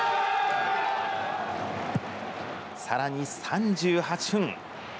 さらに３８分。